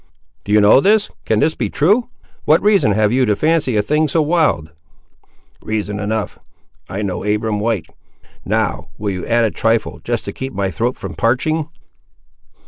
"Do you know this—can this be true? What reason have you to fancy a thing so wild?" "Reason enough; I know Abiram White. Now, will you add a trifle just to keep my throat from parching?"